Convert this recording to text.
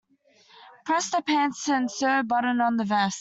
Press the pants and sew a button on the vest.